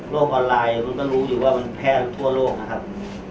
โรคออนไลน์คุณก็รู้อยู่ว่ามันแพ้ทั่วโลกนะครับ